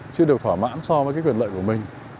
chưa được thỏa mãn so với quyền lợi của mình